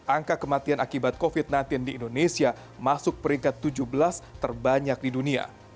angka kematian akibat covid sembilan belas di indonesia masuk peringkat tujuh belas terbanyak di dunia